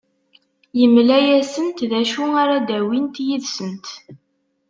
Yemla-asent d acu ara d-awint yid-sent.